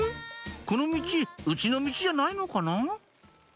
この道うちの道じゃないのかな」